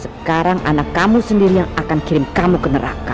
sekarang anak kamu sendiri yang akan kirim kamu ke neraka